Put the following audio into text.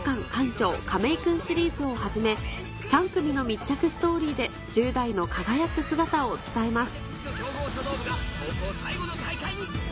長亀井くんシリーズをはじめ３組の密着ストーリーで１０代の輝く姿を伝えます